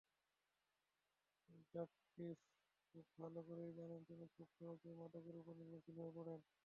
Radcliffe খুব ভালো করেই জানেন, তিনি খুব সহজেই মাদকের ওপর নির্ভরশীল হয়ে পড়েন।